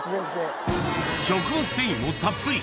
食物繊維もたっぷり！